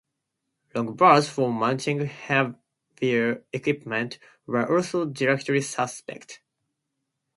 Long bolts for mounting heavier equipment were also directly suspect.